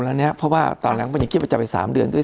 แล้วเนี่ยเพราะว่าตอนหลังมันยังคิดว่าจะไป๓เดือนด้วย